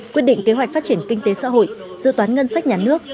quyết định kế hoạch phát triển kinh tế xã hội dự toán ngân sách nhà nước